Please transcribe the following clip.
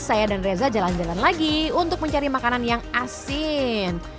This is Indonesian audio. saya dan reza jalan jalan lagi untuk mencari makanan yang asin